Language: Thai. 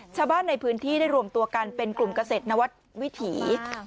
ชาวบ้านในพื้นที่ได้รวมตัวกันเป็นกลุ่มเกษตรนวัดวิถี